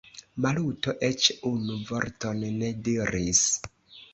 Maluto eĉ unu vorton ne diris.